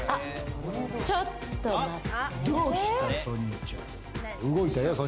ちょっと待って。